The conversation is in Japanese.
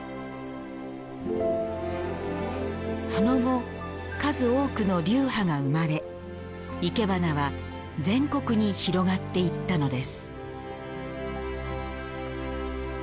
その後、数多くの流派が生まれいけばなは全国に広がっていったのです。